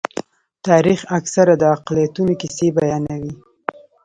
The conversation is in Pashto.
تاریخ اکثره د اقلیتونو کیسې بیانوي.